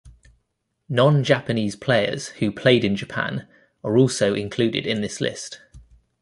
Non-Japanese players who played in Japan are also included in this list.